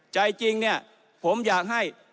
ใจจริงเนี่ยผมอยากให้